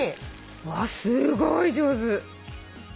わあすごい上手。